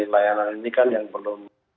layanan ini kan yang perlu